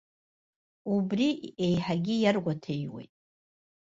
Убри еиҳагьы иаргәаҭеиуеит.